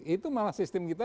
itu malah sistem kita